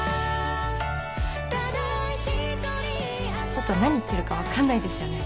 ちょっと何言ってるか分かんないですよね